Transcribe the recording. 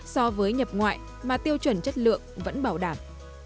so với nhập ngoại mà tiêu chuẩn chất lượng vẫn bảo đảm